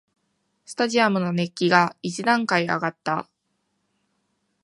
スタジアムの熱気が一段階あがった